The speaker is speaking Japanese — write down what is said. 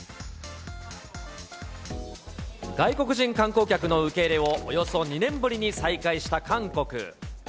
外国人観光客の受け入れを、およそ２年ぶりに再開した韓国。